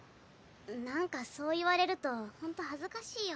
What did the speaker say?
何かそう言われるとほんと恥ずかしいよ。